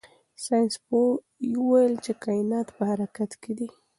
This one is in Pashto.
ساینس پوه وویل چې کائنات په حرکت کې دي.